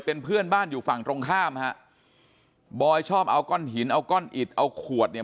เป็นเพื่อนบ้านอยู่ฝั่งตรงข้ามฮะบอยชอบเอาก้อนหินเอาก้อนอิดเอาขวดเนี่ย